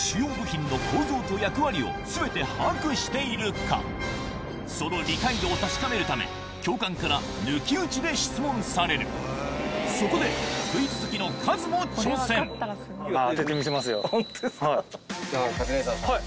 とその理解度を確かめるため教官から抜き打ちで質問されるそこでじゃあカズレーザーさん